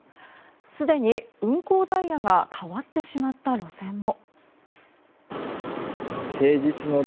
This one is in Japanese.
すでに運行ダイヤが変わってしまった路線も。